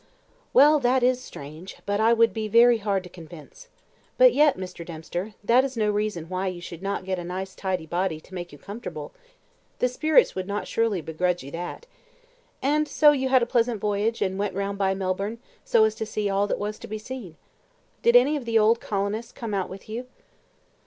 "Well, that is strange, but I would be very hard to convince. But yet, Mr. Dempster, that is no reason why you should not get a nice tidy body to make you comfortable. The spirits would not surely begrudge you that. And so you had a pleasant voyage, and went round by Melbourne so as to see all that was to be seen. Did any of the old colonists come out with you?"